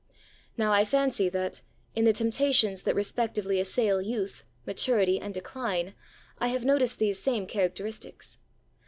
Now I fancy that, in the temptations that respectively assail youth, maturity, and decline, I have noticed these same characteristics.